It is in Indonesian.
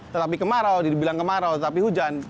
tetapi kemarau dibilang kemarau tetapi hujan